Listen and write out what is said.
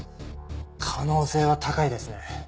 可能性は高いですね。